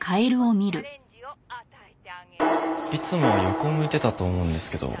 いつもは横を向いてたと思うんですけど。